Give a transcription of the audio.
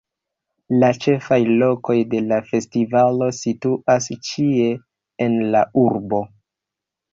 La ĉefaj lokoj de la festivalo situas ĉie en la urbo.